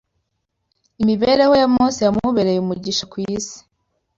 Imibereho ya Mose yamubereye umugisha ku isi